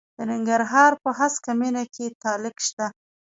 د ننګرهار په هسکه مینه کې تالک شته.